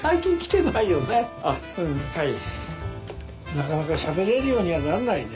なかなかしゃべれるようにはなんないね。